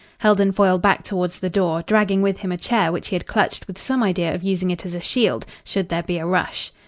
Heldon Foyle backed towards the door, dragging with him a chair which he had clutched with some idea of using it as a shield should there be a rush.